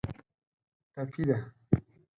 ټپي ده.